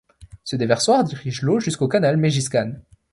Ce déversoir dirige l’eau jusqu’au canal Mégiscane.